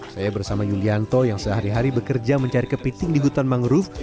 saya bersama yulianto yang sehari hari bekerja mencari kepiting di hutan mangrove